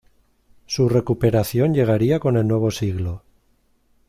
Su recuperación llegaría con el nuevo siglo.